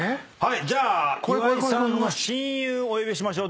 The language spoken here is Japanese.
じゃあ岩井さんの親友お呼びしましょう。